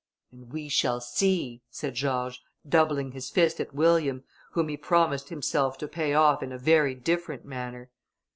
"And we shall see," said George, doubling his fist at William, whom he promised himself to pay off in a very different manner.